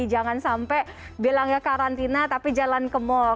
jangan sampai bilangnya karantina tapi jalan ke mall